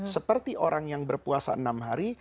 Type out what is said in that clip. seperti orang yang berpuasa enam hari